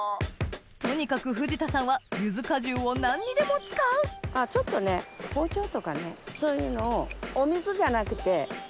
とにかく藤田さんはゆず果汁を何にでも使うちょっとね包丁とかねそういうのをお水じゃなくて。